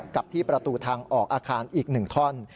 กับที่ประตูทางออกอาคารอีก๑ท่อน